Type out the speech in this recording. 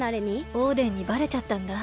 オーデンにバレちゃったんだ。